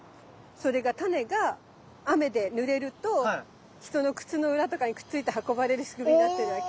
それがタネが雨でぬれると人の靴の裏とかにくっついて運ばれる仕組みになってるわけ。